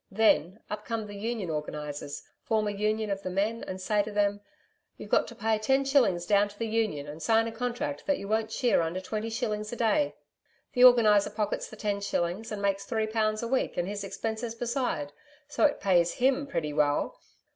Then, up come the Union organisers, form a Union of the men and say to them: "You've got to pay ten shillings down to the Union and sign a contract that you won't shear under twenty shillings a day." The Organiser pockets the ten shillings, and makes three pounds a week and his expenses besides, so it pays HIM pretty well.